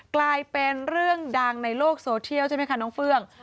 กลายเป็นเรื่องดังในโลกโซเทียลใช่ไหมคะน้องเฟื่อง